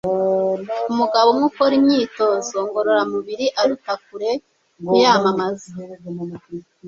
Umugabo umwe ukora imyitozo ngororamubiri aruta kure kuyamamaza.”